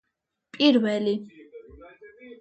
პირველი